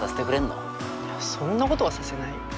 そんなことはさせないよ。